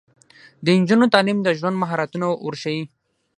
د نجونو تعلیم د ژوند مهارتونه ورښيي.